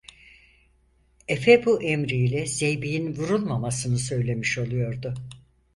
Efe bu emri ile, zeybeğin vurulmamasını söylemiş oluyordu.